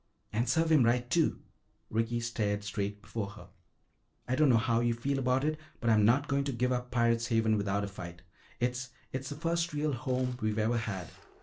"And serve him right, too." Ricky stared straight before her. "I don't know how you feel about it, but I'm not going to give up Pirate's Haven without a fight. It's it's the first real home we've ever had.